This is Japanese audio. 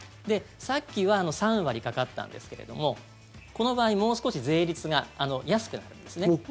さっきは３割かかったんですけれどもこの場合、もう少し税率が安くなるんですね。